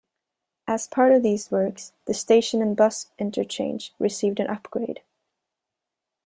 As part of these works the station and bus interchange received an upgrade.